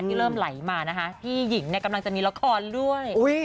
ที่เริ่มไหลมานะคะพี่หญิงเนี่ยกำลังจะมีละครด้วย